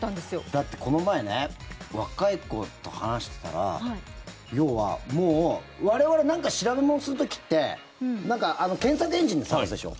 だって、この前ね若い子と話してたら要は、もう我々、何か調べものする時って検索エンジンで探すでしょ。